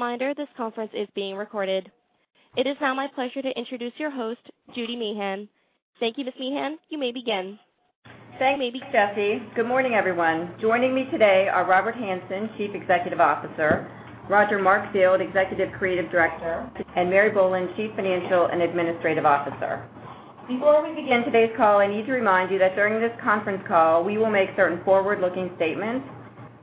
As a reminder, this conference is being recorded. It is now my pleasure to introduce your host, Judy Meehan. Thank you, Ms. Meehan. You may begin. Thank you, Jesse. Good morning, everyone. Joining me today are Robert Hanson, Chief Executive Officer, Roger Markfield, Executive Creative Director, and Mary Bolen, Chief Financial and Administrative Officer. Before we begin today's call, I need to remind you that during this conference call, we will make certain forward-looking statements.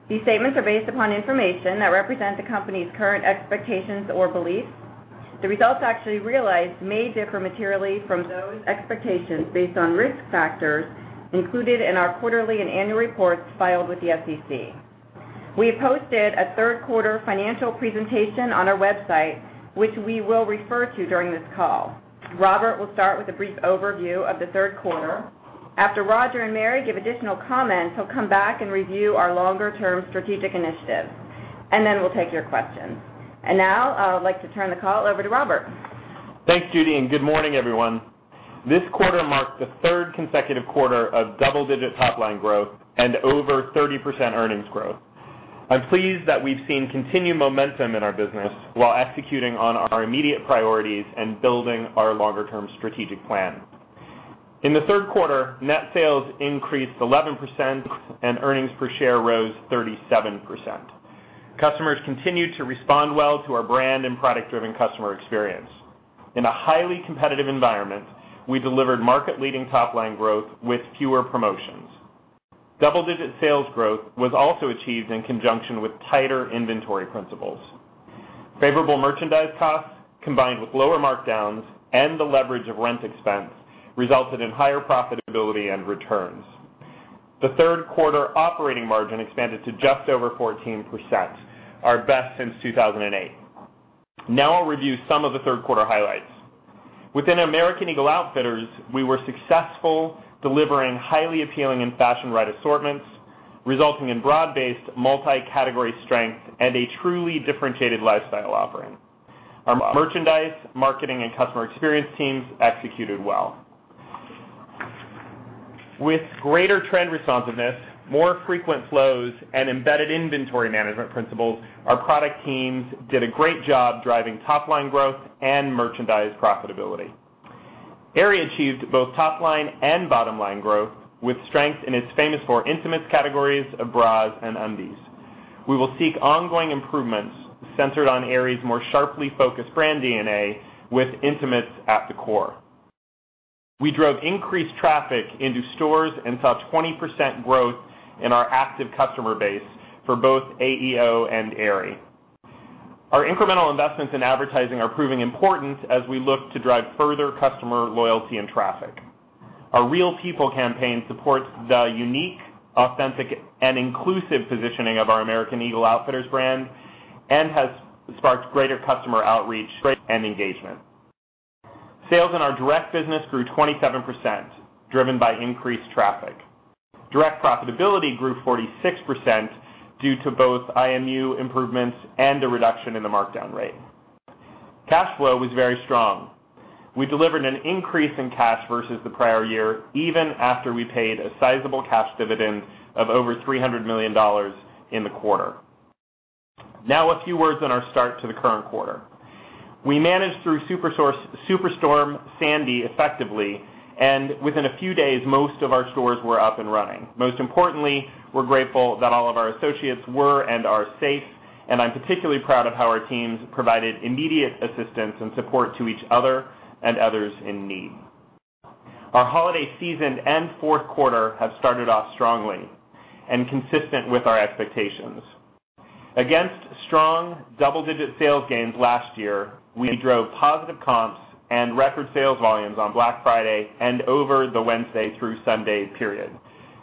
These statements are based upon information that represents the company's current expectations or beliefs. The results actually realized may differ materially from those expectations based on risk factors included in our quarterly and annual reports filed with the SEC. We posted a third quarter financial presentation on our website, which we will refer to during this call. Robert will start with a brief overview of the third quarter. After Roger and Mary give additional comments, he'll come back and review our longer-term strategic initiatives. Then we'll take your questions. Now, I would like to turn the call over to Robert. Thanks, Judy. Good morning, everyone. This quarter marks the third consecutive quarter of double-digit top-line growth and over 30% earnings growth. I'm pleased that we've seen continued momentum in our business while executing on our immediate priorities and building our longer-term strategic plan. In the third quarter, net sales increased 11% and earnings per share rose 37%. Customers continued to respond well to our brand and product-driven customer experience. In a highly competitive environment, we delivered market-leading top-line growth with fewer promotions. Double-digit sales growth was also achieved in conjunction with tighter inventory principles. Favorable merchandise costs, combined with lower markdowns and the leverage of rent expense, resulted in higher profitability and returns. The third quarter operating margin expanded to just over 14%, our best since 2008. Now I'll review some of the third quarter highlights. Within American Eagle Outfitters, we were successful delivering highly appealing and fashion-right assortments, resulting in broad-based, multi-category strength and a truly differentiated lifestyle offering. Our merchandise, marketing, and customer experience teams executed well. With greater trend responsiveness, more frequent flows, and embedded inventory management principles, our product teams did a great job driving top-line growth and merchandise profitability. Aerie achieved both top-line and bottom-line growth, with strength in its famous four intimates categories of bras and undies. We will seek ongoing improvements centered on Aerie's more sharply focused brand DNA with intimates at the core. We drove increased traffic into stores and saw 20% growth in our active customer base for both AEO and Aerie. Our incremental investments in advertising are proving important as we look to drive further customer loyalty and traffic. Our Real People campaign supports the unique, authentic, and inclusive positioning of our American Eagle Outfitters brand and has sparked greater customer outreach and engagement. Sales in our direct business grew 27%, driven by increased traffic. Direct profitability grew 46% due to both IMU improvements and a reduction in the markdown rate. Cash flow was very strong. We delivered an increase in cash versus the prior year, even after we paid a sizable cash dividend of over $300 million in the quarter. Now a few words on our start to the current quarter. We managed through Superstorm Sandy effectively, and within a few days, most of our stores were up and running. Most importantly, we're grateful that all of our associates were and are safe, and I'm particularly proud of how our teams provided immediate assistance and support to each other and others in need. Our holiday season and fourth quarter have started off strongly and consistent with our expectations. Against strong double-digit sales gains last year, we drove positive comps and record sales volumes on Black Friday and over the Wednesday-through-Sunday period,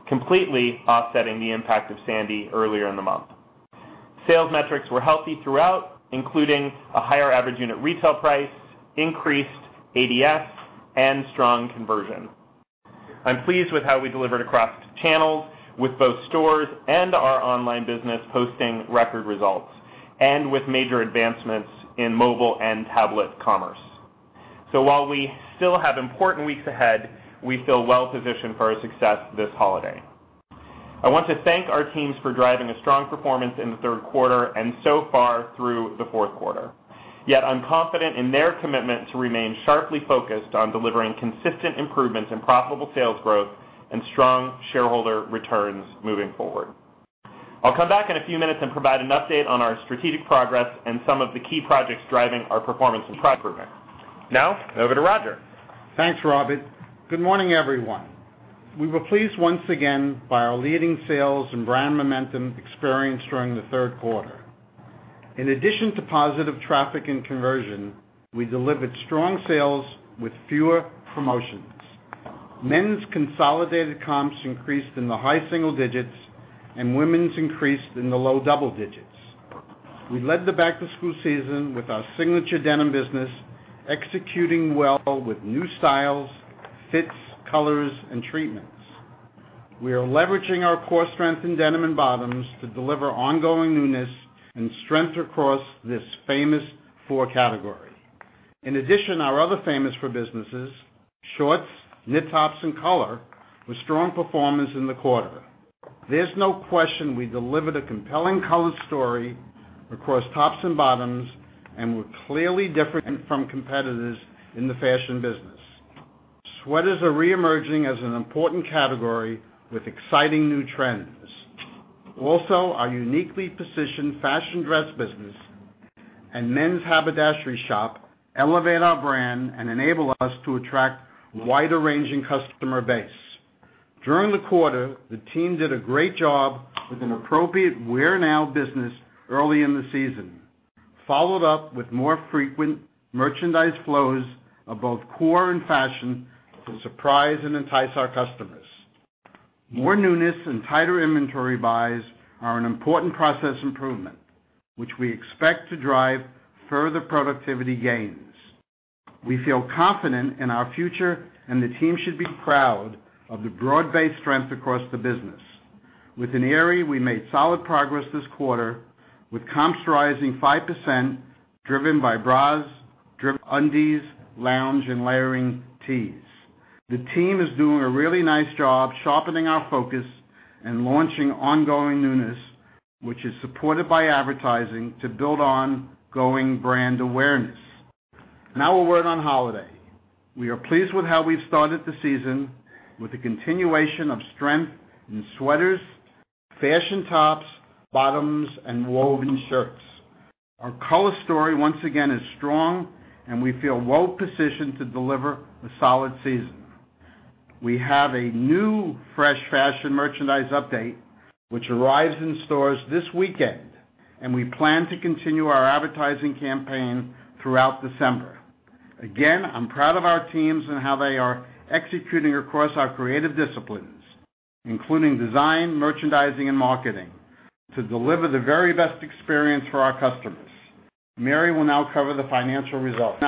completely offsetting the impact of Sandy earlier in the month. Sales metrics were healthy throughout, including a higher average unit retail price, increased ADS, and strong conversion. I'm pleased with how we delivered across channels with both stores and our online business posting record results and with major advancements in mobile and tablet commerce. While we still have important weeks ahead, we feel well-positioned for our success this holiday. I want to thank our teams for driving a strong performance in the third quarter and so far through the fourth quarter. Yet I'm confident in their commitment to remain sharply focused on delivering consistent improvements in profitable sales growth and strong shareholder returns moving forward. I'll come back in a few minutes and provide an update on our strategic progress and some of the key projects driving our performance improvement. Now, over to Roger. Thanks, Robert. Good morning, everyone. We were pleased once again by our leading sales and brand momentum experienced during the third quarter. In addition to positive traffic and conversion, we delivered strong sales with fewer promotions. Men's consolidated comps increased in the high single digits, and women's increased in the low double digits. We led the back-to-school season with our signature denim business, executing well with new styles, fits, colors, and treatments. We are leveraging our core strength in denim and bottoms to deliver ongoing newness and strength across this famous four category. In addition, our other famous four businesses, shorts, knit tops, and color were strong performers in the quarter. There's no question we delivered a compelling color story across tops and bottoms, and we're clearly different from competitors in the fashion business. Sweaters are re-emerging as an important category with exciting new trends. Our uniquely positioned fashion dress business and men's haberdashery shop elevate our brand and enable us to attract wider ranging customer base. During the quarter, the team did a great job with an appropriate wear-now business early in the season, followed up with more frequent merchandise flows of both core and fashion to surprise and entice our customers. More newness and tighter inventory buys are an important process improvement, which we expect to drive further productivity gains. We feel confident in our future and the team should be proud of the broad-based strength across the business. Within Aerie, we made solid progress this quarter with comps rising 5%, driven by bras, undies, lounge, and layering tees. The team is doing a really nice job sharpening our focus and launching ongoing newness, which is supported by advertising to build ongoing brand awareness. Now a word on holiday. We are pleased with how we've started the season with the continuation of strength in sweaters, fashion tops, bottoms, and woven shirts. Our color story once again is strong, and we feel well-positioned to deliver a solid season. We have a new fresh fashion merchandise update, which arrives in stores this weekend, and we plan to continue our advertising campaign throughout December. Again, I'm proud of our teams and how they are executing across our creative disciplines, including design, merchandising, and marketing, to deliver the very best experience for our customers. Mary will now cover the financial results.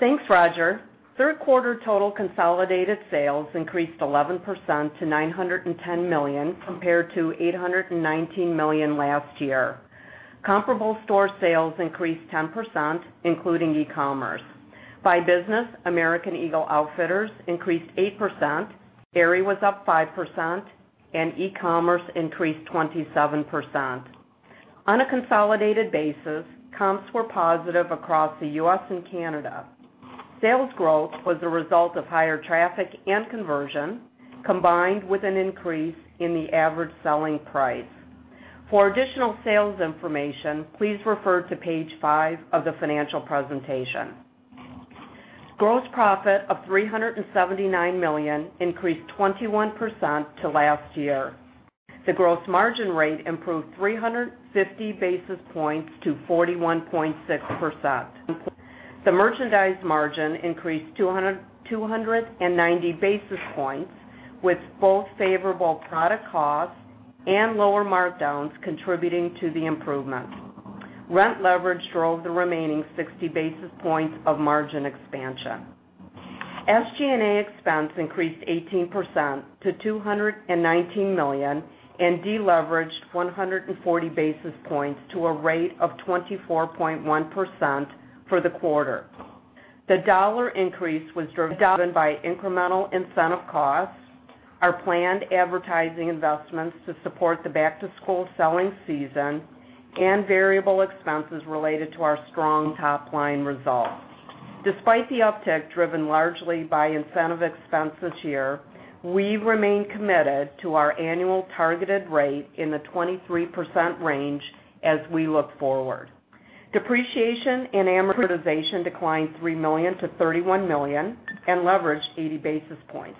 Thanks, Roger. Third quarter total consolidated sales increased 11% to $910 million, compared to $819 million last year. Comparable store sales increased 10%, including e-commerce. By business, American Eagle Outfitters increased 8%, Aerie was up 5%, and e-commerce increased 27%. On a consolidated basis, comps were positive across the U.S. and Canada. Sales growth was a result of higher traffic and conversion, combined with an increase in the average selling price. For additional sales information, please refer to page five of the financial presentation. Gross profit of $379 million increased 21% to last year. The gross margin rate improved 350 basis points to 41.6%. The merchandise margin increased 290 basis points with both favorable product costs and lower markdowns contributing to the improvement. Rent leverage drove the remaining 60 basis points of margin expansion. SG&A expense increased 18% to $219 million and deleveraged 140 basis points to a rate of 24.1% for the quarter. The dollar increase was driven by incremental incentive costs, our planned advertising investments to support the back-to-school selling season, and variable expenses related to our strong top-line results. Despite the uptick driven largely by incentive expense this year, we remain committed to our annual targeted rate in the 23% range as we look forward. Depreciation and amortization declined $3 million to $31 million and leveraged 80 basis points.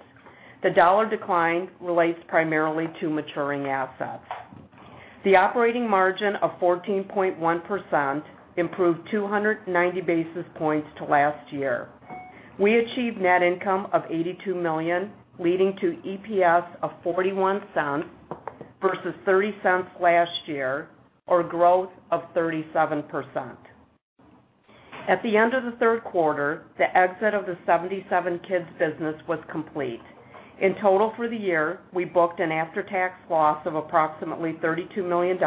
The dollar decline relates primarily to maturing assets. The operating margin of 14.1% improved 290 basis points to last year. We achieved net income of $82 million, leading to EPS of $0.41 versus $0.30 last year, or growth of 37%. At the end of the third quarter, the exit of the 77kids business was complete. In total for the year, we booked an after-tax loss of approximately $32 million,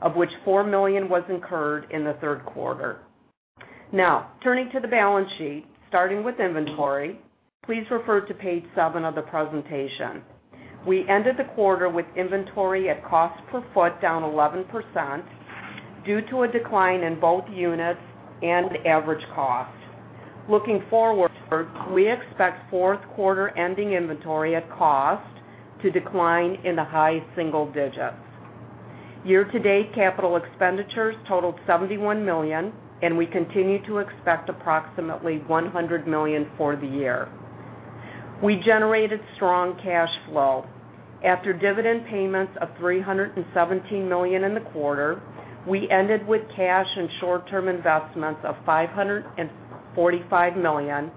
of which $4 million was incurred in the third quarter. Turning to the balance sheet, starting with inventory, please refer to page seven of the presentation. We ended the quarter with inventory at cost per foot down 11% due to a decline in both units and average cost. Looking forward, we expect fourth quarter ending inventory at cost to decline in the high single digits. Year-to-date capital expenditures totaled $71 million, and we continue to expect approximately $100 million for the year. We generated strong cash flow. After dividend payments of $317 million in the quarter, we ended with cash and short-term investments of $545 million,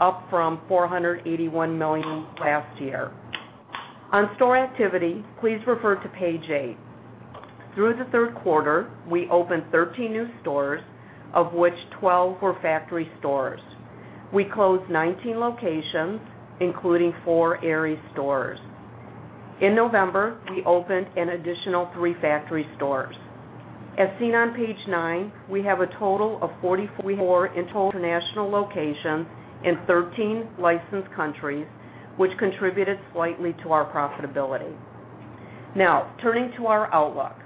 up from $481 million last year. On store activity, please refer to page eight. Through the third quarter, we opened 13 new stores, of which 12 were factory stores. We closed 19 locations, including four Aerie stores. In November, we opened an additional three factory stores. As seen on page nine, we have a total of 44 international locations in 13 licensed countries, which contributed slightly to our profitability. Turning to our outlook.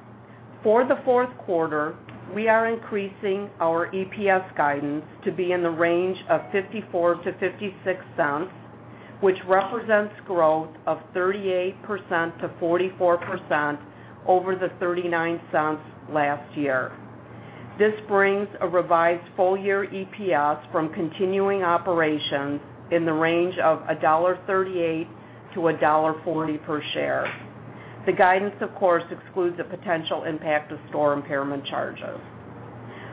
For the fourth quarter, we are increasing our EPS guidance to be in the range of $0.54 to $0.56, which represents growth of 38%-44% over the $0.39 last year. This brings a revised full-year EPS from continuing operations in the range of $1.38 to $1.40 per share. The guidance, of course, excludes the potential impact of store impairment charges.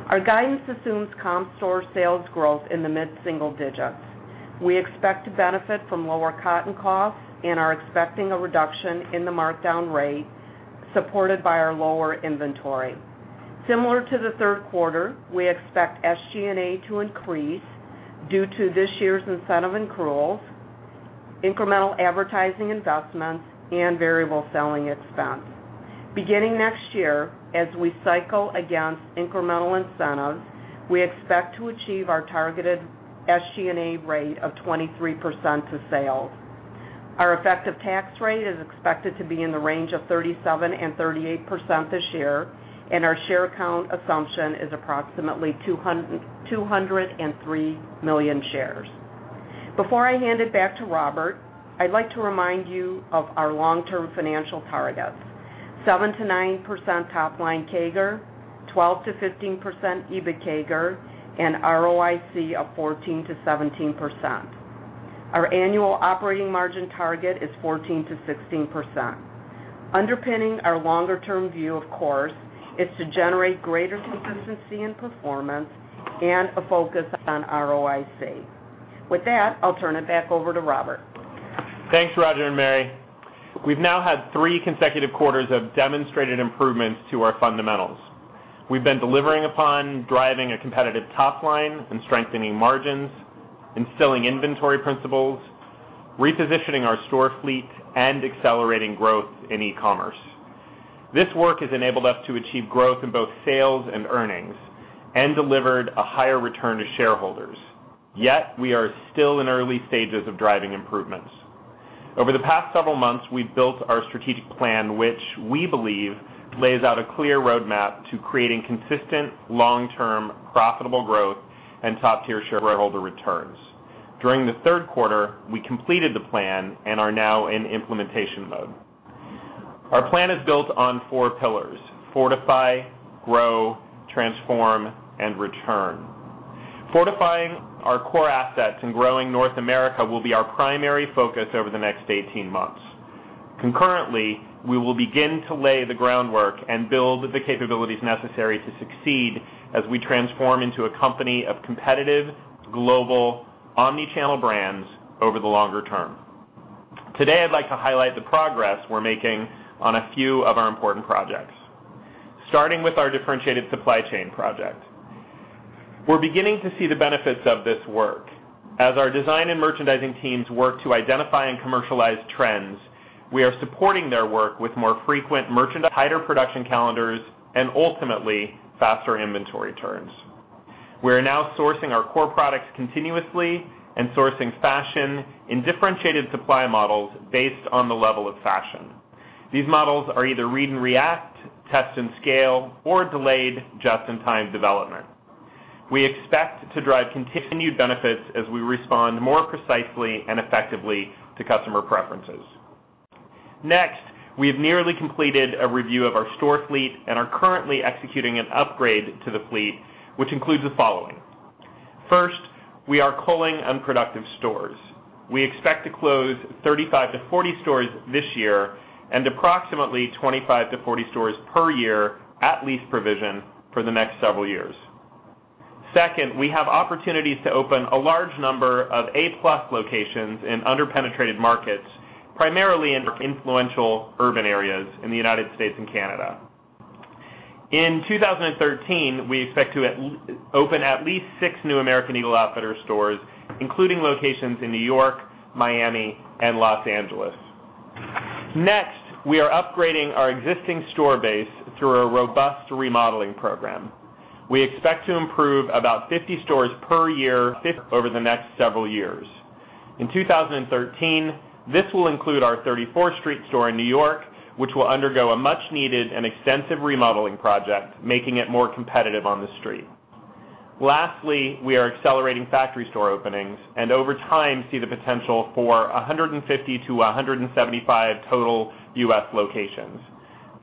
Our guidance assumes comp store sales growth in the mid-single digits. We expect to benefit from lower cotton costs and are expecting a reduction in the markdown rate supported by our lower inventory. Similar to the third quarter, we expect SG&A to increase due to this year's incentive accruals, incremental advertising investments, and variable selling expense. Beginning next year, as we cycle against incremental incentives, we expect to achieve our targeted SG&A rate of 23% to sales. Our effective tax rate is expected to be in the range of 37%-38% this year, and our share count assumption is approximately 203 million shares. Before I hand it back to Robert, I'd like to remind you of our long-term financial targets: 7%-9% top-line CAGR, 12%-15% EBIT CAGR, and ROIC of 14%-17%. Our annual operating margin target is 14%-16%. Underpinning our longer-term view, of course, is to generate greater consistency in performance and a focus on ROIC. With that, I'll turn it back over to Robert. Thanks, Roger Markfield and Mary Bolen. We've now had three consecutive quarters of demonstrated improvements to our fundamentals. We've been delivering upon driving a competitive top line and strengthening margins, instilling inventory principles, repositioning our store fleet, and accelerating growth in e-commerce. This work has enabled us to achieve growth in both sales and earnings and delivered a higher return to shareholders. Yet, we are still in early stages of driving improvements. Over the past several months, we've built our strategic plan, which we believe lays out a clear roadmap to creating consistent, long-term, profitable growth and top-tier shareholder returns. During the third quarter, we completed the plan and are now in implementation mode. Our plan is built on four pillars: fortify, grow, transform, and return. Fortifying our core assets and growing North America will be our primary focus over the next 18 months. Concurrently, we will begin to lay the groundwork and build the capabilities necessary to succeed as we transform into a company of competitive, global, omnichannel brands over the longer term. Today, I'd like to highlight the progress we're making on a few of our important projects. Starting with our differentiated supply chain project. We're beginning to see the benefits of this work. As our design and merchandising teams work to identify and commercialize trends, we are supporting their work with more frequent merchandise, tighter production calendars, and ultimately, faster inventory turns. We are now sourcing our core products continuously and sourcing fashion in differentiated supply models based on the level of fashion. These models are either read and react, test and scale, or delayed just-in-time development. We expect to drive continued benefits as we respond more precisely and effectively to customer preferences. Next, we have nearly completed a review of our store fleet and are currently executing an upgrade to the fleet, which includes the following. First, we are culling unproductive stores. We expect to close 35 to 40 stores this year and approximately 25 to 40 stores per year at lease provision for the next several years. Second, we have opportunities to open a large number of A-plus locations in under-penetrated markets, primarily in influential urban areas in the U.S. and Canada. In 2013, we expect to open at least six new American Eagle Outfitters stores, including locations in New York, Miami, and Los Angeles. Next, we are upgrading our existing store base through a robust remodeling program. We expect to improve about 50 stores per year over the next several years. In 2013, this will include our 34th Street store in New York, which will undergo a much-needed and extensive remodeling project, making it more competitive on the street. Lastly, we are accelerating factory store openings and over time see the potential for 150 to 175 total U.S. locations.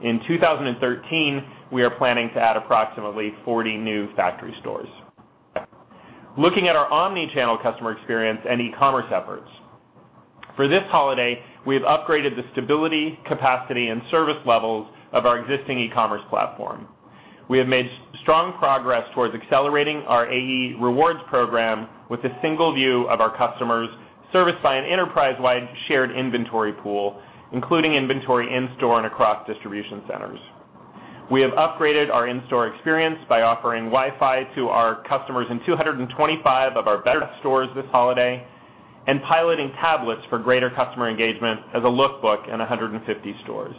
In 2013, we are planning to add approximately 40 new factory stores. Looking at our omnichannel customer experience and e-commerce efforts. For this holiday, we have upgraded the stability, capacity, and service levels of our existing e-commerce platform. We have made strong progress towards accelerating our AE Rewards program with a single view of our customers serviced by an enterprise-wide shared inventory pool, including inventory in-store and across distribution centers. We have upgraded our in-store experience by offering Wi-Fi to our customers in 225 of our better stores this holiday, and piloting tablets for greater customer engagement as a look book in 150 stores.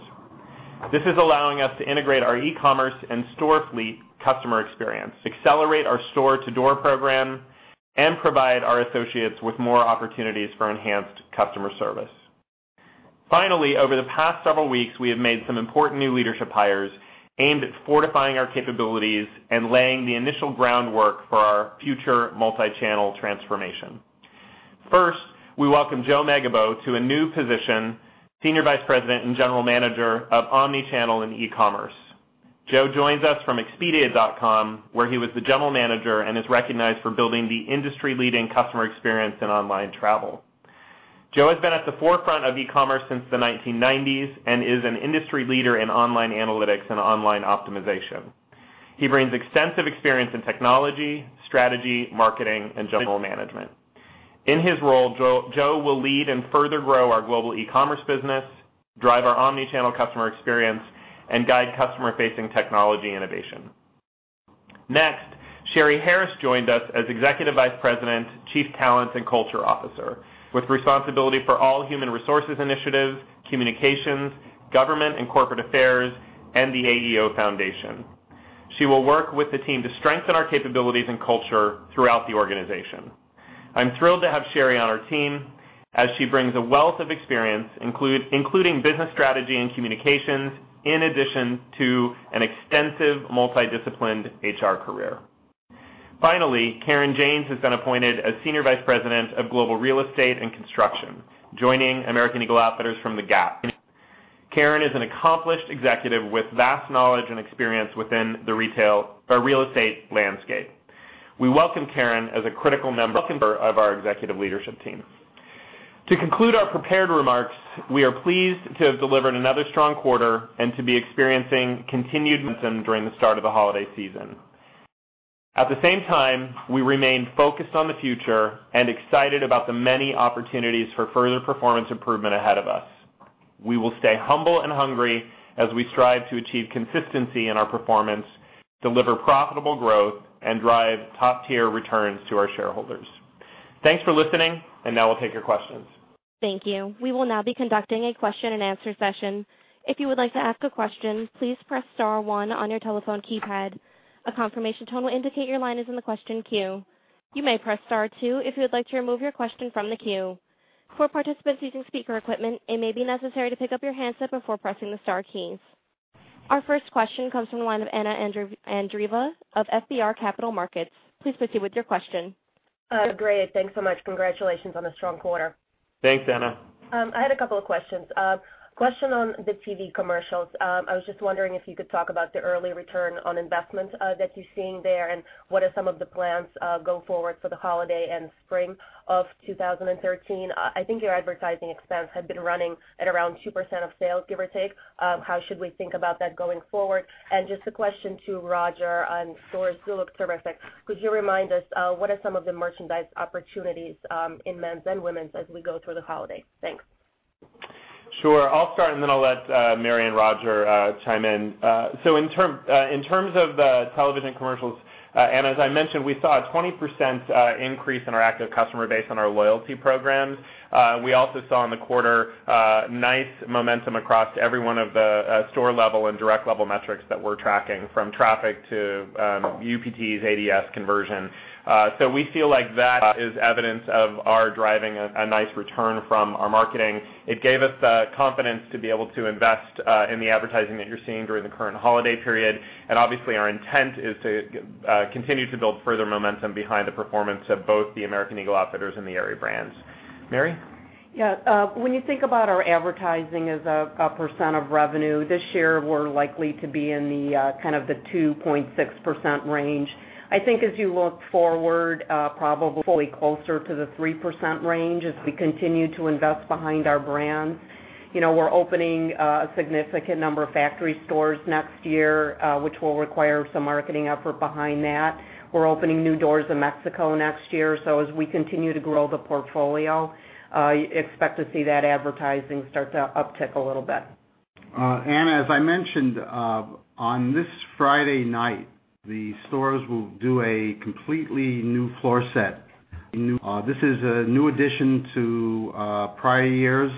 This is allowing us to integrate our e-commerce and store fleet customer experience, accelerate our Store-to-Door program, and provide our associates with more opportunities for enhanced customer service. Finally, over the past several weeks, we have made some important new leadership hires aimed at fortifying our capabilities and laying the initial groundwork for our future multi-channel transformation. First, we welcome Joe Megibow to a new position, Senior Vice President and General Manager of Omnichannel and E-commerce. Joe joins us from expedia.com, where he was the general manager and is recognized for building the industry-leading customer experience in online travel. Joe has been at the forefront of e-commerce since the 1990s and is an industry leader in online analytics and online optimization. He brings extensive experience in technology, strategy, marketing, and general management. In his role, Joe will lead and further grow our global e-commerce business, drive our omnichannel customer experience, and guide customer-facing technology innovation. Next, Sherry Harris joined us as Executive Vice President, Chief Talent and Culture Officer with responsibility for all human resources initiatives, communications, government and corporate affairs, and the AEO Foundation. She will work with the team to strengthen our capabilities and culture throughout the organization. I'm thrilled to have Sherry on our team as she brings a wealth of experience, including business strategy and communications, in addition to an extensive multi-disciplined HR career. Finally, Karen Janes has been appointed as Senior Vice President of Global Real Estate and Construction, joining American Eagle Outfitters from the Gap. Karen is an accomplished executive with vast knowledge and experience within the real estate landscape. We welcome Karen as a critical member of our executive leadership team. To conclude our prepared remarks, we are pleased to have delivered another strong quarter and to be experiencing continued momentum during the start of the holiday season. At the same time, we remain focused on the future and excited about the many opportunities for further performance improvement ahead of us. We will stay humble and hungry as we strive to achieve consistency in our performance, deliver profitable growth, and drive top-tier returns to our shareholders. Thanks for listening, and now we'll take your questions. Thank you. We will now be conducting a question and answer session. If you would like to ask a question, please press *1 on your telephone keypad. A confirmation tone will indicate your line is in the question queue. You may press *2 if you would like to remove your question from the queue. For participants using speaker equipment, it may be necessary to pick up your handset before pressing the star keys. Our first question comes from the line of Anna Andreeva of FBR Capital Markets. Please proceed with your question. Great. Thanks so much. Congratulations on a strong quarter. Thanks, Anna. I had a couple of questions. Question on the TV commercials. I was just wondering if you could talk about the early return on investment that you're seeing there, and what are some of the plans go forward for the holiday and spring of 2013. I think your advertising expense had been running at around 2% of sales, give or take. How should we think about that going forward? Just a question to Roger on stores. You look terrific. Could you remind us, what are some of the merchandise opportunities in men's and women's as we go through the holiday? Thanks. Sure. I'll start, then I'll let Mary and Roger chime in. In terms of the television commercials, Anna, as I mentioned, we saw a 20% increase in our active customer base on our loyalty programs. We also saw in the quarter nice momentum across every one of the store-level and direct-level metrics that we're tracking, from traffic to UPTs, ADS conversion. We feel like that is evidence of our driving a nice return from our marketing. It gave us the confidence to be able to invest in the advertising that you're seeing during the current holiday period. Obviously, our intent is to continue to build further momentum behind the performance of both the American Eagle Outfitters and the Aerie brands. Mary? Yeah. When you think about our advertising as a percent of revenue, this year, we're likely to be in the 2.6% range. I think as you look forward, probably closer to the 3% range as we continue to invest behind our brands. We're opening a significant number of factory stores next year, which will require some marketing effort behind that. We're opening new doors in Mexico next year. As we continue to grow the portfolio, expect to see that advertising start to uptick a little bit. Anna, as I mentioned, on this Friday night, the stores will do a completely new floor set. This is a new addition to prior years.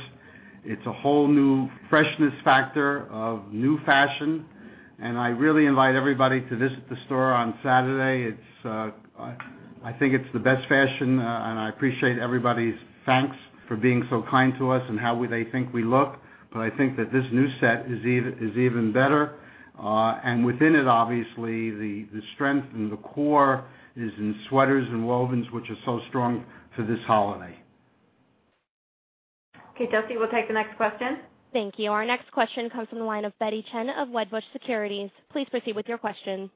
It's a whole new freshness factor of new fashion. I really invite everybody to visit the store on Saturday. I think it's the best fashion. I appreciate everybody's thanks for being so kind to us and how they think we look. I think that this new set is even better. Within it, obviously, the strength in the core is in sweaters and wovens, which are so strong for this holiday. Okay, Jesse, we'll take the next question. Thank you. Our next question comes from the line of Betty Chen of Wedbush Securities. Please proceed with your question.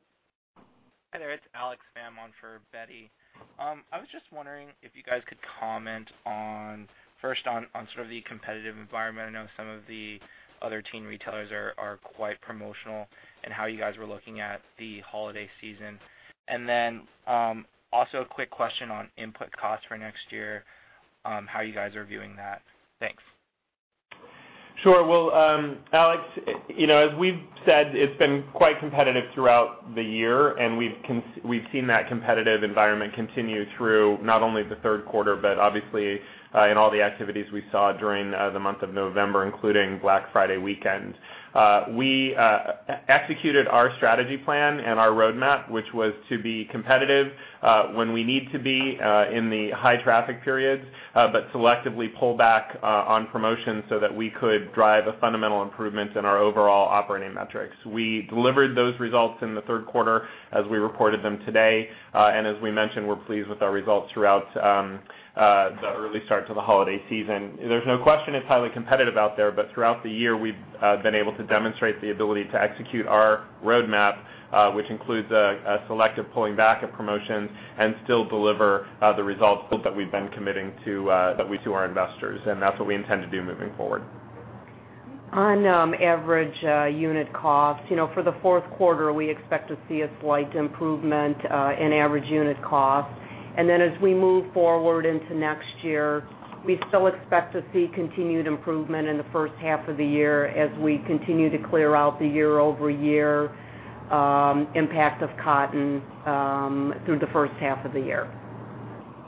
Hi, there. It's Alex Pham on for Betty. I was just wondering if you guys could comment on, first, on sort of the competitive environment. I know some of the other teen retailers are quite promotional and how you guys were looking at the holiday season. Then also a quick question on input costs for next year, how you guys are viewing that. Thanks. Sure. Well, Alex, as we've said, it's been quite competitive throughout the year, and we've seen that competitive environment continue through not only the third quarter, but obviously in all the activities we saw during the month of November, including Black Friday weekend. We executed our strategy plan and our roadmap, which was to be competitive when we need to be in the high traffic periods, but selectively pull back on promotions so that we could drive a fundamental improvement in our overall operating metrics. We delivered those results in the third quarter as we reported them today. As we mentioned, we're pleased with our results throughout the early start to the holiday season. There's no question it's highly competitive out there, but throughout the year, we've been able to demonstrate the ability to execute our roadmap, which includes a selective pulling back of promotions and still deliver the results that we've been committing to our investors. That's what we intend to do moving forward. On average unit cost, for the fourth quarter, we expect to see a slight improvement in average unit cost. As we move forward into next year, we still expect to see continued improvement in the first half of the year as we continue to clear out the year-over-year impact of cotton through the first half of the year.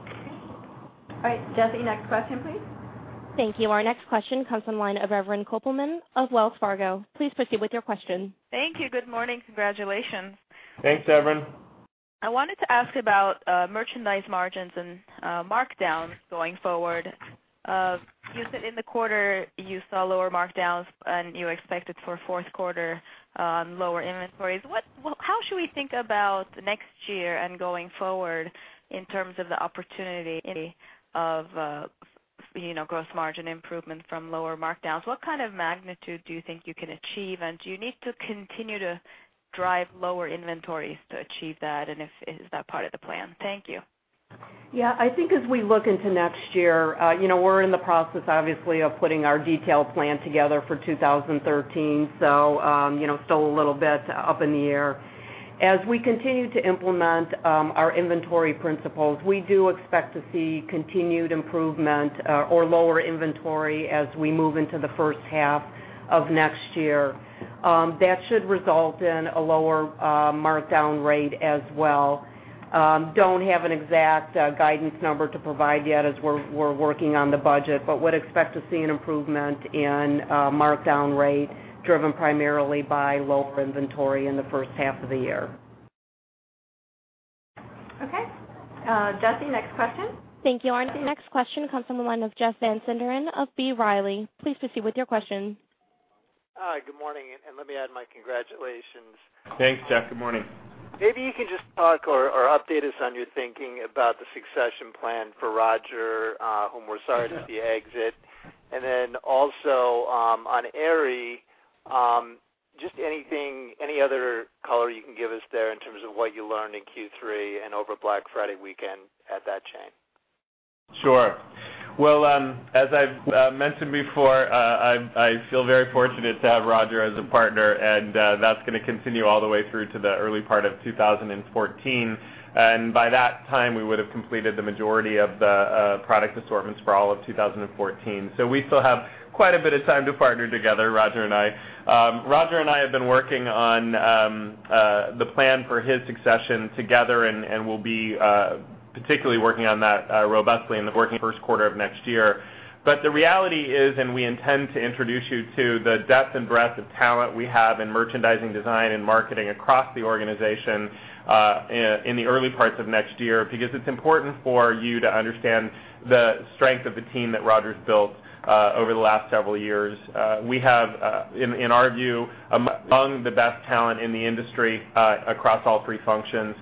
Okay. All right, Jesse, next question, please. Thank you. Our next question comes from the line of Evren Kopelman of Wells Fargo. Please proceed with your question. Thank you. Good morning. Congratulations. Thanks, Evren. I wanted to ask about merchandise margins and markdowns going forward. You said in the quarter you saw lower markdowns. You expected for fourth quarter lower inventories. How should we think about next year and going forward in terms of the opportunity of gross margin improvement from lower markdowns? What kind of magnitude do you think you can achieve? Do you need to continue to drive lower inventories to achieve that? Is that part of the plan? Thank you. Yeah, I think as we look into next year, we're in the process, obviously, of putting our detailed plan together for 2013, so still a little bit up in the air. As we continue to implement our inventory principles, we do expect to see continued improvement or lower inventory as we move into the first half of next year. That should result in a lower markdown rate as well. Don't have an exact guidance number to provide yet as we're working on the budget, but would expect to see an improvement in markdown rate driven primarily by lower inventory in the first half of the year. Okay. Jesse, next question. Thank you. Our next question comes from the line of Jeff Van Sinderen of B. Riley. Please proceed with your question. Hi, good morning. Let me add my congratulations. Thanks, Jeff. Good morning. Maybe you can just talk or update us on your thinking about the succession plan for Roger, whom we're sorry to see exit. Also on Aerie, just any other color you can give us there in terms of what you learned in Q3 and over Black Friday weekend at that chain. Sure. Well, as I've mentioned before, I feel very fortunate to have Roger as a partner, and that's going to continue all the way through to the early part of 2014. By that time, we would have completed the majority of the product assortments for all of 2014. We still have quite a bit of time to partner together, Roger and I. Roger and I have been working on the plan for his succession together, and we'll be particularly working on that robustly in the first quarter of next year. The reality is, and we intend to introduce you to the depth and breadth of talent we have in merchandising design and marketing across the organization, in the early parts of next year, because it's important for you to understand the strength of the team that Roger's built over the last several years. We have, in our view, among the best talent in the industry across all three functions.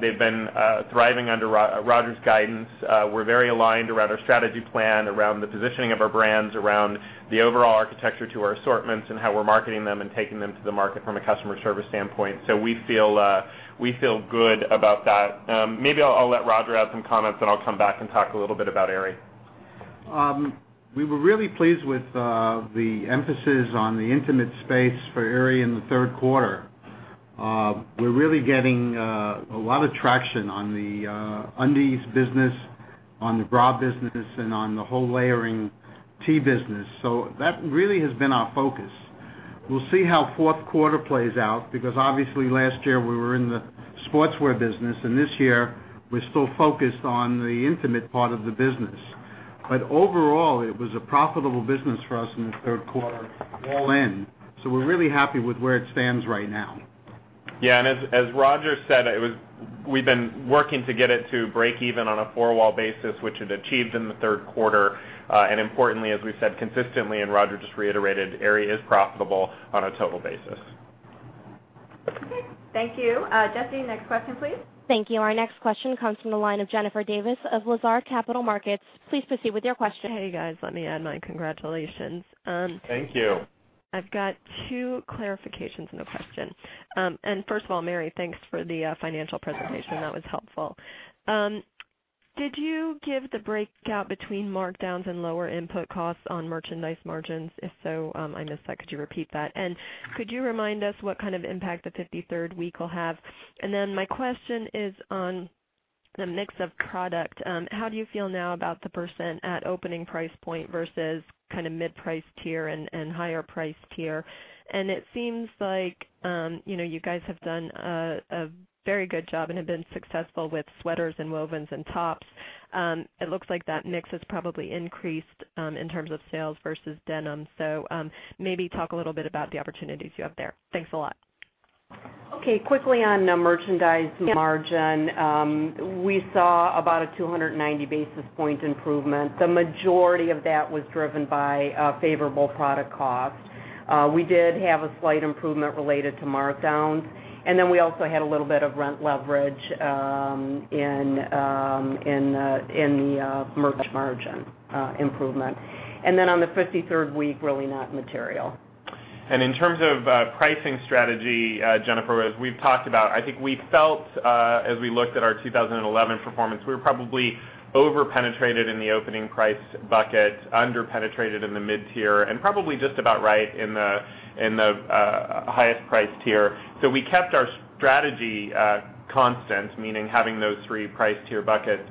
They've been thriving under Roger's guidance. We're very aligned around our strategy plan, around the positioning of our brands, around the overall architecture to our assortments and how we're marketing them and taking them to the market from a customer service standpoint. We feel good about that. Maybe I'll let Roger add some comments, then I'll come back and talk a little bit about Aerie. We were really pleased with the emphasis on the intimate space for Aerie in the third quarter. We're really getting a lot of traction on the undies business, on the bra business, and on the whole layering tee business. That really has been our focus. We'll see how fourth quarter plays out, because obviously last year we were in the sportswear business, and this year we're still focused on the intimate part of the business. Overall, it was a profitable business for us in the third quarter all in. We're really happy with where it stands right now. Yeah, and as Roger said, we've been working to get it to break even on a four-wall basis, which it achieved in the third quarter. Importantly, as we said consistently, and Roger just reiterated, Aerie is profitable on a total basis. Okay. Thank you. Jesse, next question, please. Thank you. Our next question comes from the line of Jennifer Davis of Lazard Capital Markets. Please proceed with your question. Hey, guys, let me add my congratulations. Thank you. I've got two clarifications and a question. First of all, Mary, thanks for the financial presentation. That was helpful. Did you give the breakout between markdowns and lower input costs on merchandise margins? If so, I missed that. Could you repeat that? Could you remind us what kind of impact the 53rd week will have? My question is on the mix of product. How do you feel now about the percent at opening price point versus mid-priced tier and higher priced tier? It seems like you guys have done a very good job and have been successful with sweaters and wovens and tops. It looks like that mix has probably increased in terms of sales versus denim. Maybe talk a little bit about the opportunities you have there. Thanks a lot. Okay. Quickly on the merchandise margin. We saw about a 290 basis point improvement. The majority of that was driven by favorable product cost. We did have a slight improvement related to markdowns, we also had a little bit of rent leverage in the merch margin improvement. On the 53rd week, really not material. In terms of pricing strategy, Jennifer, as we've talked about, I think we felt, as we looked at our 2011 performance, we were probably over-penetrated in the opening price bucket, under-penetrated in the mid-tier, and probably just about right in the highest priced tier. We kept our strategy constant, meaning having those 3 price tier buckets.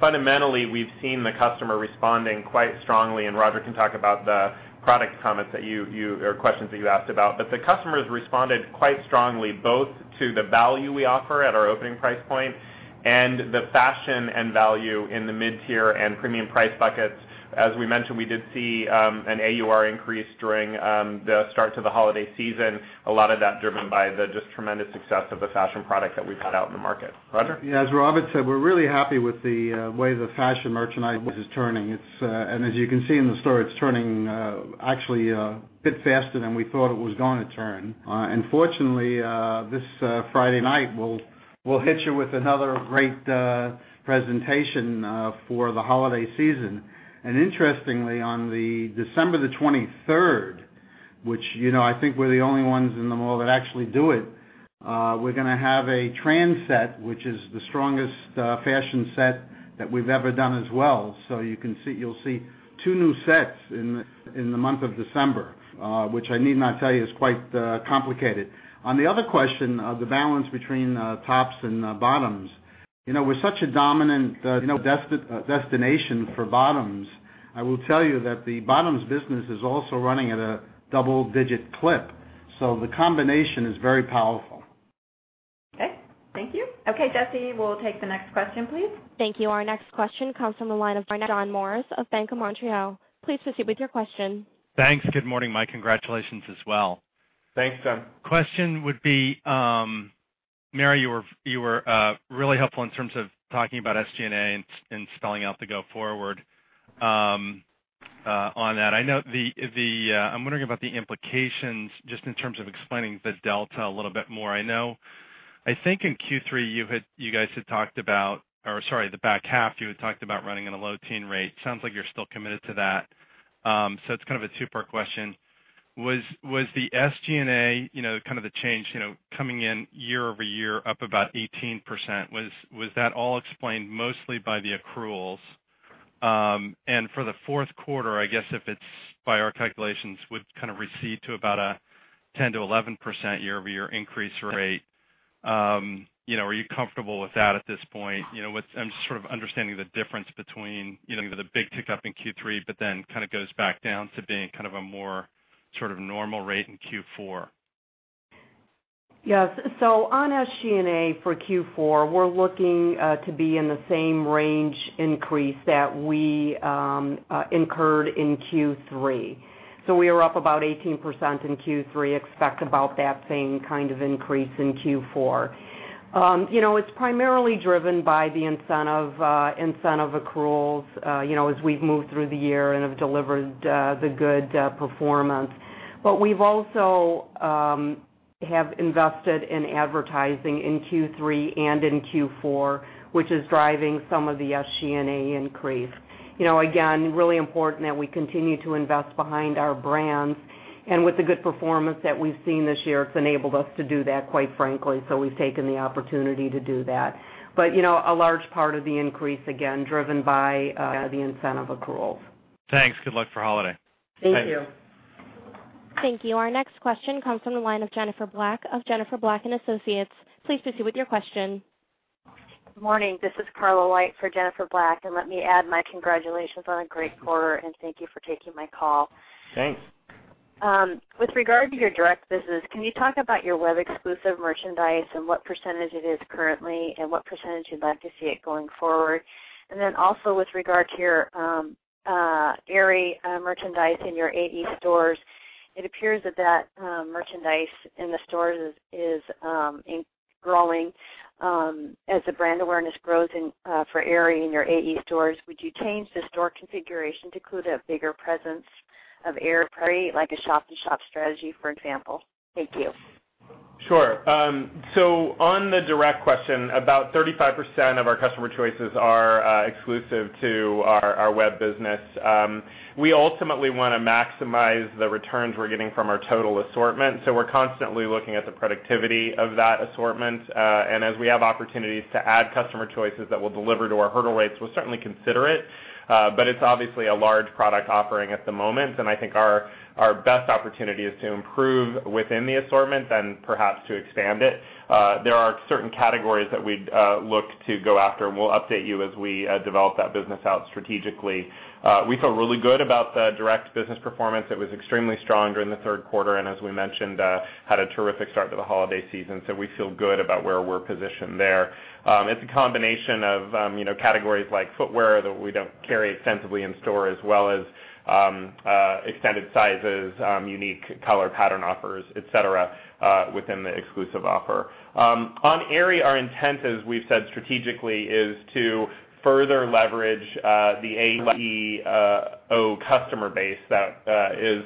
Fundamentally, we've seen the customer responding quite strongly, and Roger can talk about the product comments or questions that you asked about. The customers responded quite strongly both to the value we offer at our opening price point and the fashion and value in the mid-tier and premium price buckets. As we mentioned, we did see an AUR increase during the start to the holiday season. A lot of that driven by the just tremendous success of the fashion product that we put out in the market. Roger. As Robert said, we're really happy with the way the fashion merchandise is turning. As you can see in the store, it's turning actually a bit faster than we thought it was going to turn. Fortunately, this Friday night, we'll hit you with another great presentation for the holiday season. Interestingly, on December the 23rd, which I think we're the only ones in the mall that actually do it, we're going to have a trend set, which is the strongest fashion set that we've ever done as well. You'll see two new sets in the month of December, which I need not tell you is quite complicated. On the other question, the balance between tops and bottoms. With such a dominant destination for bottoms, I will tell you that the bottoms business is also running at a double-digit clip. The combination is very powerful. Thank you. Jesse, we'll take the next question, please. Thank you. Our next question comes from the line of John Morris of Bank of Montreal. Please proceed with your question. Thanks. Good morning. My congratulations as well. Thanks, John. Question would be, Mary, you were really helpful in terms of talking about SG&A and spelling out the go forward on that. I'm wondering about the implications just in terms of explaining the delta a little bit more. I think in Q3, you guys had talked about or sorry, the back half, you had talked about running at a low teen rate. Sounds like you're still committed to that. It's kind of a two-part question. Was the SG&A, kind of the change, coming in year-over-year up about 18%, was that all explained mostly by the accruals? For the fourth quarter, I guess if it's by our calculations, would kind of recede to about a 10%-11% year-over-year increase rate. Are you comfortable with that at this point? I'm just sort of understanding the difference between the big tick up in Q3, but then kind of goes back down to being a more sort of normal rate in Q4. Yes. On SG&A for Q4, we're looking to be in the same range increase that we incurred in Q3. We are up about 18% in Q3, expect about that same kind of increase in Q4. It's primarily driven by the incentive accruals as we've moved through the year and have delivered the good performance. We've also have invested in advertising in Q3 and in Q4, which is driving some of the SG&A increase. Really important that we continue to invest behind our brands, with the good performance that we've seen this year, it's enabled us to do that, quite frankly. We've taken the opportunity to do that. A large part of the increase, again, driven by the incentive accruals. Thanks. Good luck for holiday. Thank you. Thank you. Our next question comes from the line of Jennifer Black of Jennifer Black & Associates. Please proceed with your question. Morning. This is Carla White for Jennifer Black, let me add my congratulations on a great quarter, and thank you for taking my call. Thanks. With regard to your direct business, can you talk about your web exclusive merchandise and what % it is currently, and what % you'd like to see it going forward? Also with regard to your Aerie merchandise in your AE stores, it appears that merchandise in the stores is growing. As the brand awareness grows for Aerie in your AE stores, would you change the store configuration to include a bigger presence of Aerie, like a shop-in-shop strategy, for example? Thank you. Sure. On the direct question, about 35% of our customer choices are exclusive to our web business. We ultimately want to maximize the returns we're getting from our total assortment. We're constantly looking at the productivity of that assortment. As we have opportunities to add customer choices that will deliver to our hurdle rates, we'll certainly consider it. It's obviously a large product offering at the moment, and I think our best opportunity is to improve within the assortment than perhaps to expand it. There are certain categories that we'd look to go after, and we'll update you as we develop that business out strategically. We feel really good about the direct business performance. It was extremely strong during the third quarter, and as we mentioned, had a terrific start to the holiday season. We feel good about where we're positioned there. It's a combination of categories like footwear that we don't carry extensively in store, as well as extended sizes, unique color pattern offers, et cetera, within the exclusive offer. On Aerie, our intent, as we've said strategically, is to further leverage the AEO customer base that is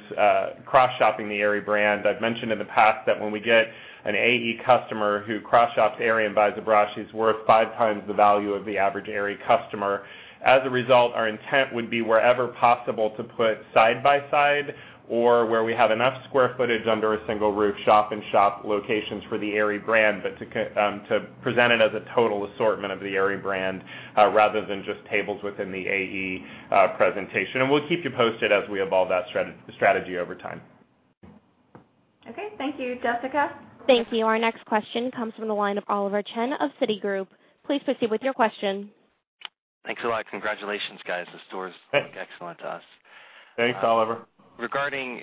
cross-shopping the Aerie brand. I've mentioned in the past that when we get an AE customer who cross-shops Aerie and buys a bra, she's worth five times the value of the average Aerie customer. As a result, our intent would be wherever possible to put side by side or where we have enough square footage under a single roof, shop-in-shop locations for the Aerie brand, but to present it as a total assortment of the Aerie brand rather than just tables within the AE presentation. We'll keep you posted as we evolve that strategy over time. Okay, thank you. Jessica? Thank you. Our next question comes from the line of Oliver Chen of Citigroup. Please proceed with your question. Thanks a lot. Congratulations, guys. The stores look excellent to us. Thanks, Oliver. Regarding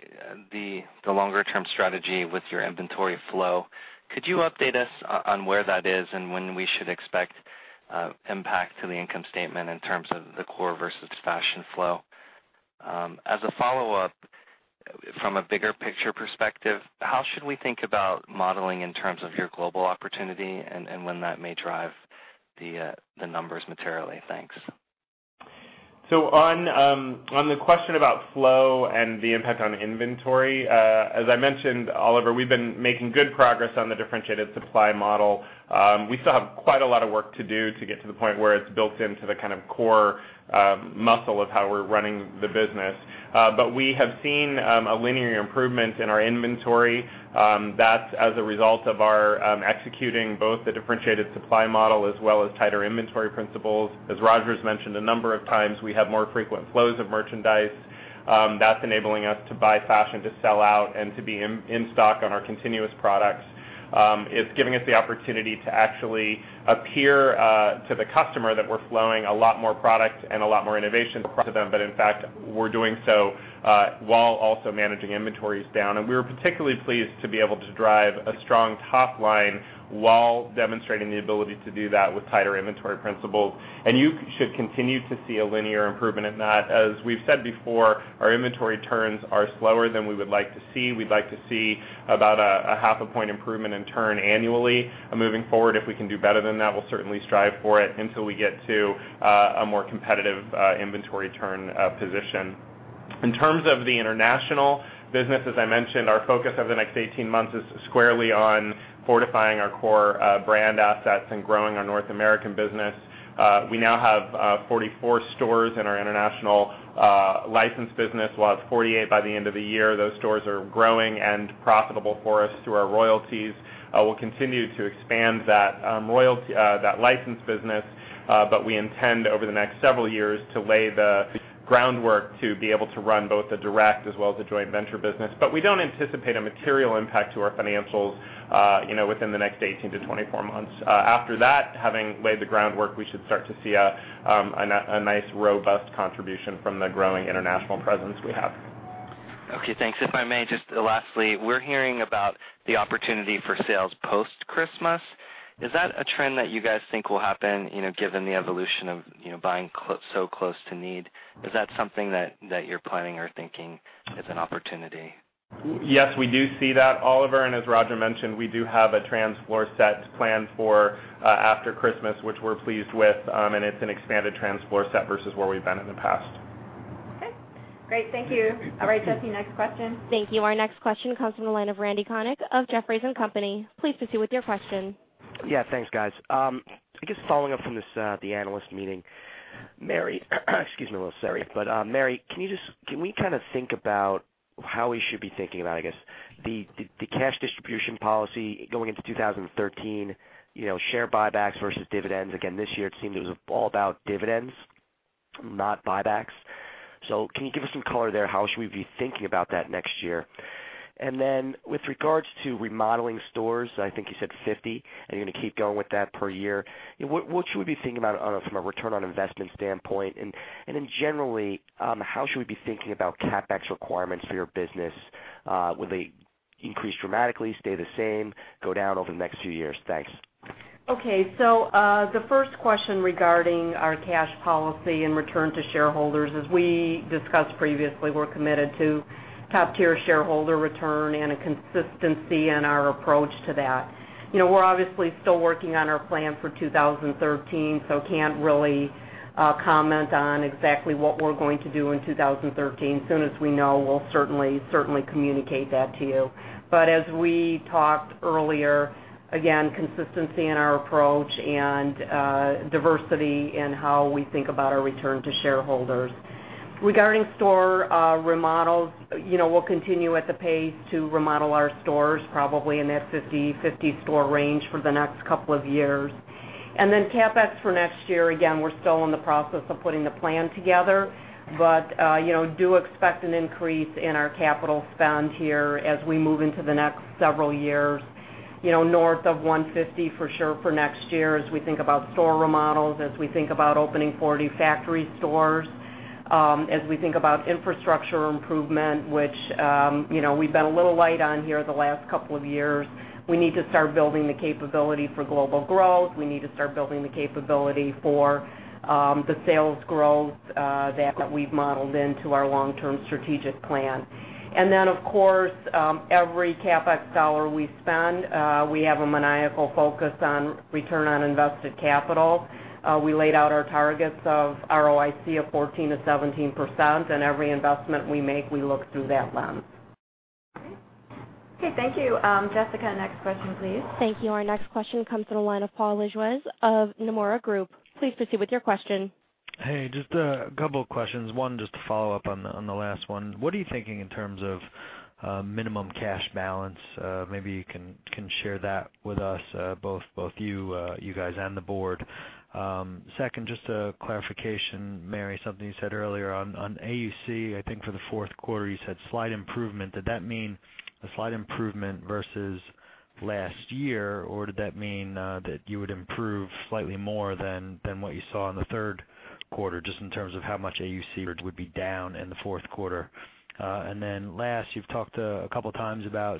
the longer-term strategy with your inventory flow, could you update us on where that is and when we should expect impact to the income statement in terms of the core versus fashion flow? As a follow-up, from a bigger picture perspective, how should we think about modeling in terms of your global opportunity and when that may drive the numbers materially? Thanks. On the question about flow and the impact on inventory, as I mentioned, Oliver, we've been making good progress on the differentiated supply model. We still have quite a lot of work to do to get to the point where it's built into the kind of core muscle of how we're running the business. We have seen a linear improvement in our inventory. That's as a result of our executing both the differentiated supply model as well as tighter inventory principles. As Roger's mentioned a number of times, we have more frequent flows of merchandise. That's enabling us to buy fashion, to sell out, and to be in stock on our continuous products. It's giving us the opportunity to actually appear to the customer that we're flowing a lot more product and a lot more innovation to them. In fact, we're doing so while also managing inventories down. We're particularly pleased to be able to drive a strong top line while demonstrating the ability to do that with tighter inventory principles. You should continue to see a linear improvement in that. As we've said before, our inventory turns are slower than we would like to see. We'd like to see about a half a point improvement in turn annually. Moving forward, if we can do better than that, we'll certainly strive for it until we get to a more competitive inventory turn position. In terms of the international business, as I mentioned, our focus over the next 18 months is squarely on fortifying our core brand assets and growing our North American business. We now have 44 stores in our international license business. We'll have 48 by the end of the year. Those stores are growing and profitable for us through our royalties. We'll continue to expand that license business. We intend over the next several years to lay the groundwork to be able to run both the direct as well as the joint venture business. We don't anticipate a material impact to our financials within the next 18 to 24 months. After that, having laid the groundwork, we should start to see a nice, robust contribution from the growing international presence we have. Okay, thanks. If I may, just lastly, we're hearing about the opportunity for sales post-Christmas. Is that a trend that you guys think will happen, given the evolution of buying so close to need? Is that something that you're planning or thinking as an opportunity? Yes, we do see that, Oliver, as Roger mentioned, we do have a floor set planned for after Christmas, which we're pleased with. It's an expanded floor set versus where we've been in the past. Okay, great. Thank you. All right, Jesse, next question. Thank you. Our next question comes from the line of Randal Konik of Jefferies & Company. Please proceed with your question. Thanks, guys. I guess following up from the analyst meeting. Mary, excuse me, a little sore. Mary, can we think about how we should be thinking about, I guess, the cash distribution policy going into 2013, share buybacks versus dividends. Again, this year it seemed it was all about dividends, not buybacks. Can you give us some color there? How should we be thinking about that next year? With regards to remodeling stores, I think you said 50, and you're going to keep going with that per year. What should we be thinking about from a return on investment standpoint? Generally, how should we be thinking about CapEx requirements for your business? Will they increase dramatically, stay the same, go down over the next few years? Thanks. The first question regarding our cash policy and return to shareholders, as we discussed previously, we're committed to top-tier shareholder return and a consistency in our approach to that. We're obviously still working on our plan for 2013, can't really comment on exactly what we're going to do in 2013. As soon as we know, we'll certainly communicate that to you. As we talked earlier, again, consistency in our approach and diversity in how we think about our return to shareholders. Regarding store remodels, we'll continue at the pace to remodel our stores, probably in that 50 store range for the next couple of years. CapEx for next year, again, we're still in the process of putting the plan together. Do expect an increase in our capital spend here as we move into the next several years. North of 150 for sure for next year as we think about store remodels, as we think about opening 40 factory stores, as we think about infrastructure improvement, which we've been a little light on here the last couple of years. We need to start building the capability for global growth. We need to start building the capability for the sales growth that we've modeled into our long-term strategic plan. Of course, every CapEx dollar we spend, we have a maniacal focus on return on invested capital. We laid out our targets of ROIC of 14%-17%, and every investment we make, we look through that lens. Thank you. Jessica, next question, please. Thank you. Our next question comes from the line of Paul Lejuez of Nomura Group. Please proceed with your question. Hey, just a couple of questions. One just to follow up on the last one. What are you thinking in terms of minimum cash balance? Maybe you can share that with us, both you guys and the board. Second, just a clarification, Mary. Something you said earlier on AUC, I think for the fourth quarter, you said slight improvement. Did that mean a slight improvement versus last year, or did that mean that you would improve slightly more than what you saw in the third quarter, just in terms of how much AUC would be down in the fourth quarter? Then last, you've talked a couple of times about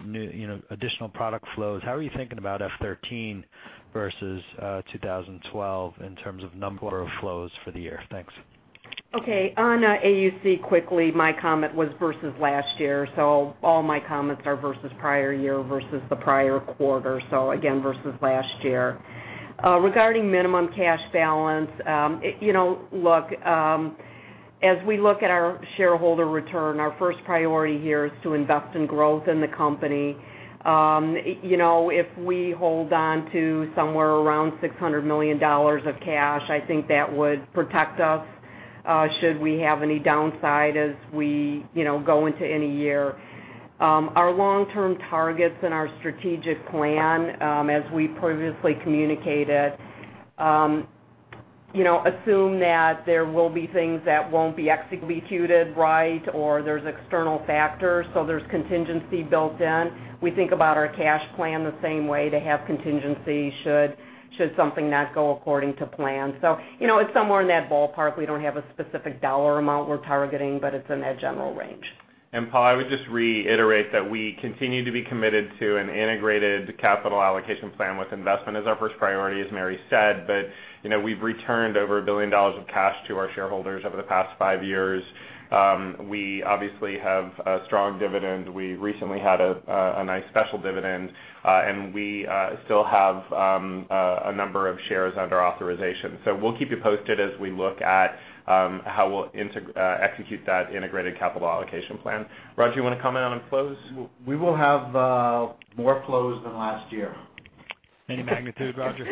additional product flows. How are you thinking about FY 2013 versus 2012 in terms of number of flows for the year? Thanks. Okay. On AUC, quickly, my comment was versus last year. All my comments are versus prior year versus the prior quarter. Again, versus last year. Regarding minimum cash balance, as we look at our shareholder return, our first priority here is to invest in growth in the company. If we hold on to somewhere around $600 million of cash, I think that would protect us should we have any downside as we go into any year. Our long-term targets and our strategic plan, as we previously communicated assume that there will be things that won't be executed right, or there's external factors, so there's contingency built in. We think about our cash plan the same way to have contingency should something not go according to plan. It's somewhere in that ballpark. We don't have a specific dollar amount we're targeting, but it's in that general range. Paul, I would just reiterate that we continue to be committed to an integrated capital allocation plan with investment as our first priority, as Mary said. We've returned over $1 billion of cash to our shareholders over the past five years. We obviously have a strong dividend. We recently had a nice special dividend. We still have a number of shares under authorization. We'll keep you posted as we look at how we'll execute that integrated capital allocation plan. Roger, you want to comment on flows? We will have more flows than last year. Any magnitude, Roger?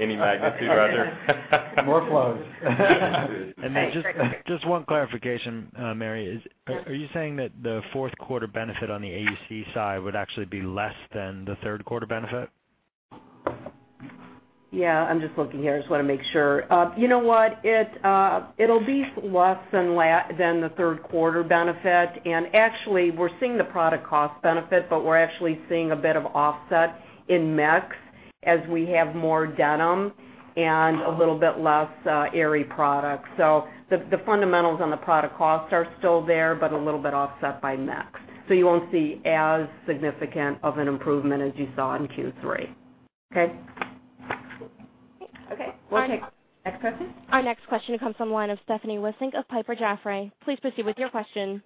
Any magnitude, Roger? More flows. Just one clarification, Mary. Yes. Are you saying that the fourth quarter benefit on the AUC side would actually be less than the third quarter benefit? Yeah, I'm just looking here. I just want to make sure. You know what? It'll be less than the third quarter benefit, and actually, we're seeing the product cost benefit, but we're actually seeing a bit of offset in mix as we have more denim and a little bit less Aerie product. The fundamentals on the product cost are still there, but a little bit offset by mix. You won't see as significant of an improvement as you saw in Q3. Okay? Okay. We'll take next question. Our next question comes from the line of Stephanie Wissink of Piper Jaffray. Please proceed with your question.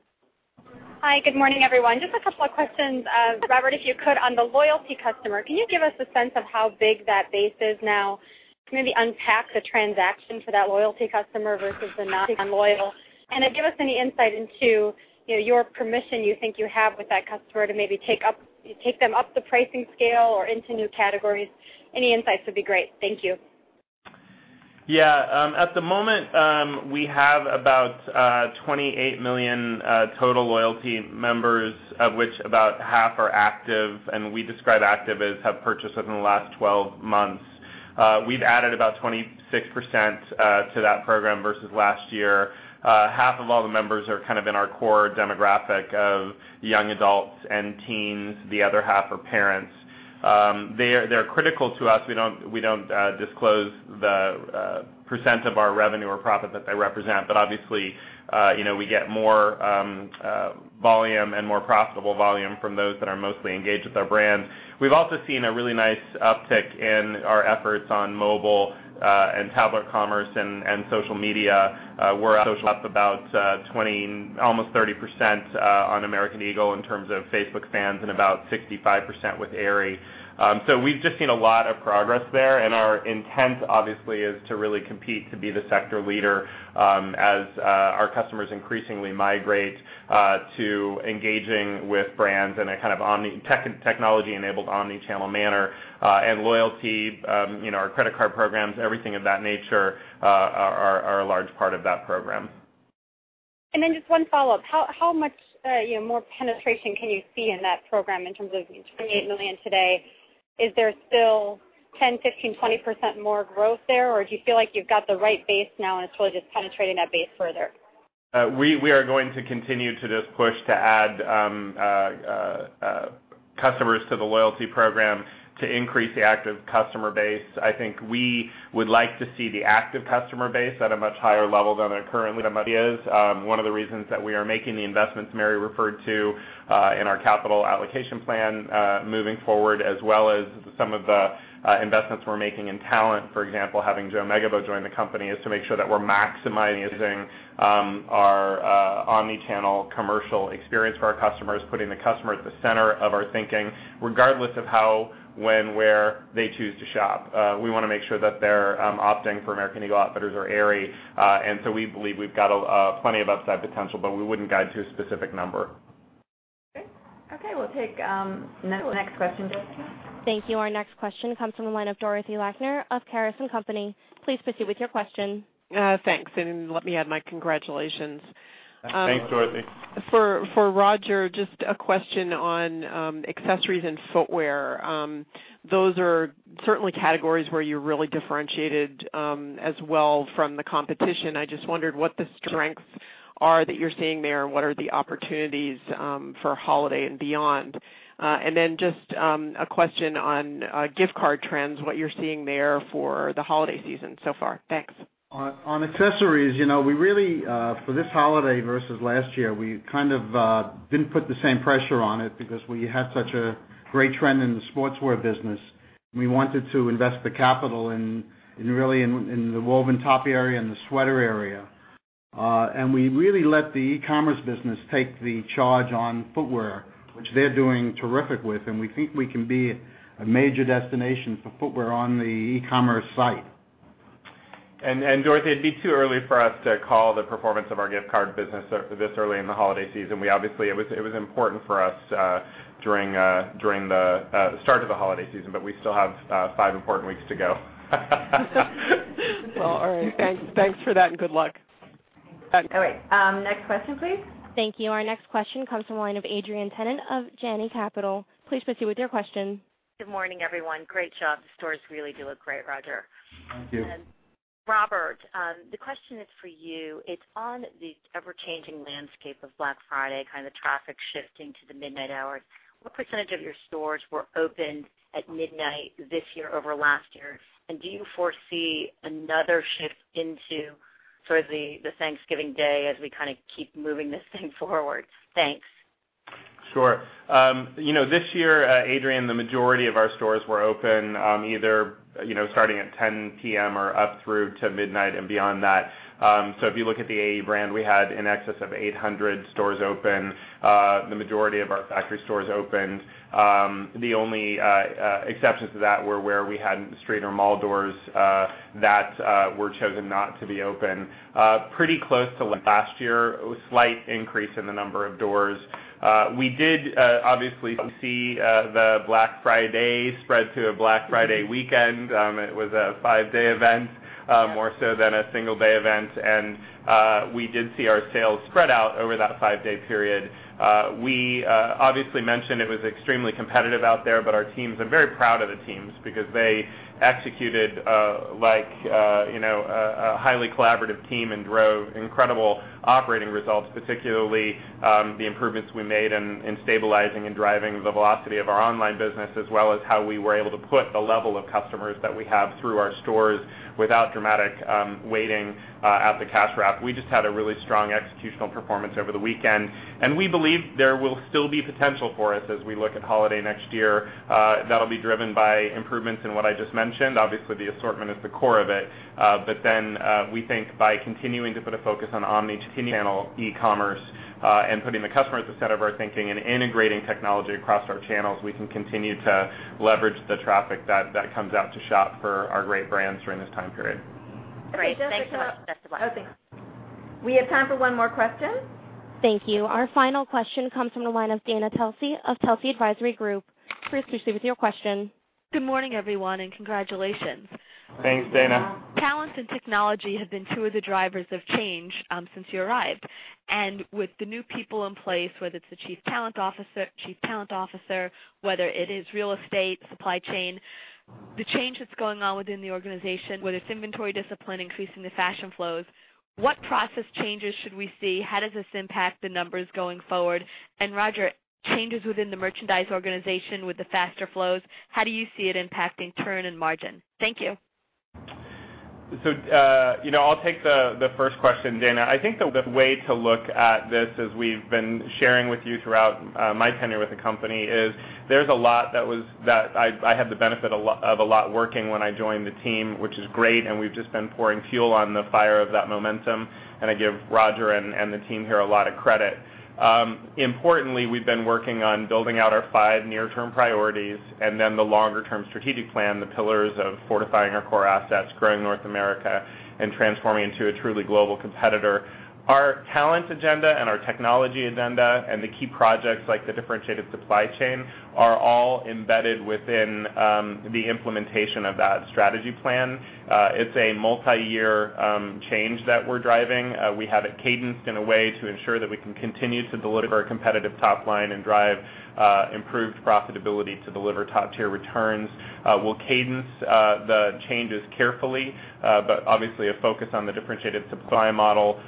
Hi. Good morning, everyone. Just a couple of questions. Robert, if you could, on the loyalty customer, can you give us a sense of how big that base is now? Can you maybe unpack the transaction for that loyalty customer versus the non-loyal? Then give us any insight into your permission you think you have with that customer to maybe take them up the pricing scale or into new categories. Any insights would be great. Thank you. Yeah. At the moment, we have about 28 million total loyalty members, of which about half are active, and we describe active as have purchased within the last 12 months. We've added about 26% to that program versus last year. Half of all the members are in our core demographic of young adults and teens. The other half are parents. They're critical to us. We don't disclose the percent of our revenue or profit that they represent. Obviously, we get more volume and more profitable volume from those that are mostly engaged with our brand. We've also seen a really nice uptick in our efforts on mobile and tablet commerce and social media. We're up about 20, almost 30% on American Eagle in terms of Facebook fans and about 65% with Aerie. We've just seen a lot of progress there, our intent, obviously, is to really compete to be the sector leader as our customers increasingly migrate to engaging with brands in a technology-enabled omnichannel manner. Loyalty, our credit card programs, everything of that nature, are a large part of that program. Just one follow-up. How much more penetration can you see in that program in terms of the $28 million today? Is there still 10%, 15%, 20% more growth there, or do you feel like you've got the right base now and it's really just penetrating that base further? We are going to continue to just push to add customers to the loyalty program to increase the active customer base. I think we would like to see the active customer base at a much higher level than it currently is. One of the reasons that we are making the investments Mary referred to in our capital allocation plan moving forward as well as some of the investments we're making in talent, for example, having Joe Megibow join the company, is to make sure that we're maximizing our omnichannel commercial experience for our customers, putting the customer at the center of our thinking, regardless of how, when, where they choose to shop. We want to make sure that they're opting for American Eagle Outfitters or Aerie. We believe we've got plenty of upside potential, but we wouldn't guide to a specific number. Okay. Okay, we'll take the next question, Jessica. Thank you. Our next question comes from the line of Dorothy Lakner of Caris & Company. Please proceed with your question. Thanks, and let me add my congratulations. Thanks, Dorothy. For Roger, just a question on accessories and footwear. Those are certainly categories where you're really differentiated as well from the competition. I just wondered what the strengths are that you're seeing there and what are the opportunities for holiday and beyond. Just a question on gift card trends, what you're seeing there for the holiday season so far. Thanks. On accessories, for this holiday versus last year, we kind of didn't put the same pressure on it because we had such a great trend in the sportswear business. We wanted to invest the capital in really the woven top area and the sweater area. We really let the e-commerce business take the charge on footwear, which they're doing terrific with, and we think we can be a major destination for footwear on the e-commerce site. Dorothy, it'd be too early for us to call the performance of our gift card business this early in the holiday season. Obviously, it was important for us during the start of the holiday season, but we still have five important weeks to go. Well, all right. Thanks for that and good luck. All right. Next question, please. Thank you. Our next question comes from the line of Adrienne Tennant of Janney Capital. Please proceed with your question. Good morning, everyone. Great job. The stores really do look great, Roger. Thank you. Robert, the question is for you. It's on the ever-changing landscape of Black Friday, kind of traffic shifting to the midnight hours. What % of your stores were open at midnight this year over last year? Do you foresee another shift into the Thanksgiving Day as we kind of keep moving this thing forward? Thanks. Sure. This year, Adrienne, the majority of our stores were open either starting at 10:00 P.M. or up through to midnight and beyond that. If you look at the AE brand, we had in excess of 800 stores open. The majority of our factory stores opened. The only exceptions to that were where we had street or mall doors that were chosen not to be open. Pretty close to last year, a slight increase in the number of doors. We did obviously see the Black Friday spread to a Black Friday weekend. It was a five-day event, more so than a single-day event, and we did see our sales spread out over that five-day period. Our teams, I'm very proud of the teams because they executed like a highly collaborative team and drove incredible operating results, particularly the improvements we made in stabilizing and driving the velocity of our online business, as well as how we were able to put the level of customers that we have through our stores without dramatic waiting at the cash wrap. We just had a really strong executional performance over the weekend, and we believe there will still be potential for us as we look at holiday next year. That'll be driven by improvements in what I just mentioned. Obviously, the assortment is the core of it. We think by continuing to put a focus on omnichannel e-commerce, and putting the customer at the center of our thinking and integrating technology across our channels, we can continue to leverage the traffic that comes out to shop for our great brands during this time period. Great. Thanks so much. Best of luck. We have time for one more question. Thank you. Our final question comes from the line of Dana Telsey of Telsey Advisory Group. Please proceed with your question. Good morning, everyone, congratulations. Thanks, Dana. Talent and technology have been two of the drivers of change since you arrived. With the new people in place, whether it's the Chief Talent Officer, whether it is real estate, supply chain, the change that's going on within the organization, whether it's inventory discipline, increasing the fashion flows, what process changes should we see? How does this impact the numbers going forward? Roger, changes within the merchandise organization with the faster flows, how do you see it impacting turn and margin? Thank you. I'll take the first question, Dana. I think the way to look at this as we've been sharing with you throughout my tenure with the company is there's a lot that I had the benefit of a lot working when I joined the team, which is great, and we've just been pouring fuel on the fire of that momentum, and I give Roger and the team here a lot of credit. Importantly, we've been working on building out our five near-term priorities and then the longer-term strategic plan, the pillars of fortifying our core assets, growing North America, and transforming into a truly global competitor. Our talent agenda and our technology agenda and the key projects like the differentiated supply chain are all embedded within the implementation of that strategy plan. It's a multi-year change that we're driving. We have it cadenced in a way to ensure that we can continue to deliver a competitive top line and drive improved profitability to deliver top-tier returns. We'll cadence the changes carefully, but obviously a focus on the differentiated supply model,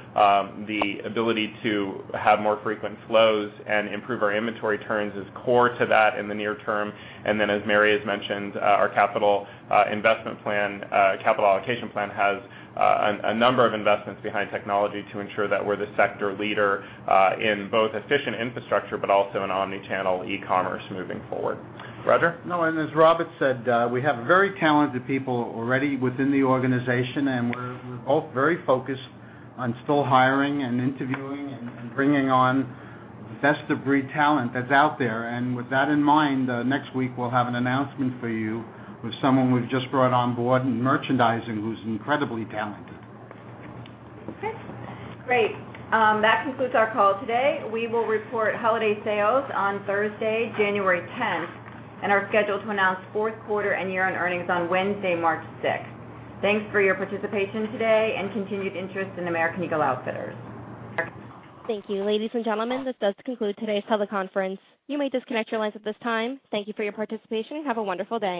the ability to have more frequent flows and improve our inventory turns is core to that in the near term. As Mary has mentioned, our capital investment plan, capital allocation plan has a number of investments behind technology to ensure that we're the sector leader in both efficient infrastructure but also in omnichannel e-commerce moving forward. Roger. No, as Robert said, we have very talented people already within the organization, and we're very focused on still hiring and interviewing and bringing on the best of breed talent that's out there. With that in mind, next week, we'll have an announcement for you with someone we've just brought on board in merchandising who's incredibly talented. Okay, great. That concludes our call today. We will report holiday sales on Thursday, January 10th, and are scheduled to announce fourth quarter and year-end earnings on Wednesday, March 6th. Thanks for your participation today and continued interest in American Eagle Outfitters. Thank you. Ladies and gentlemen, this does conclude today's teleconference. You may disconnect your lines at this time. Thank you for your participation. Have a wonderful day.